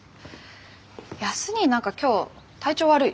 康にぃ何か今日体調悪い？